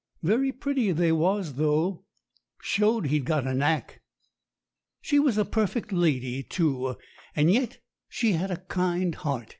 Very pretty they was though, and showed he'd got a knack. She was a perfect lady, too, and yet she had a kind heart.